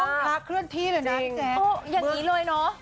มันฟิวห้องพระเคลื่อนที่เลยนะแจ๊จริงโอ้ยอย่างงี้เลยเนอะ